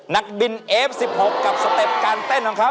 นักบินเอฟ๑๖กับสเต็ปการเต้นของเขา